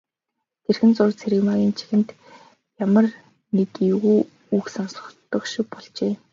Тэрхэн зуур Цэрэгмаагийн чихэнд ямар нэг эвгүй үг сонстох шиг болжээ.